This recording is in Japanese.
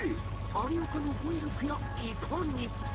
有岡の語彙力やいかに］